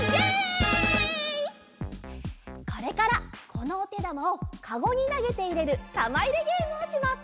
これからこのおてだまをカゴになげていれるたまいれゲームをします。